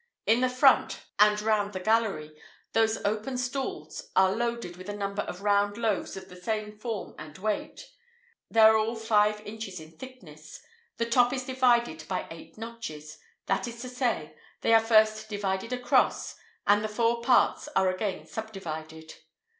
[IV 65] In the front, and round the gallery, those open stalls are loaded with a number of round loaves of the same form and weight: they are all five inches in thickness; the top is divided by eight notches that is to say, they are first divided across, and the four parts are again subdivided.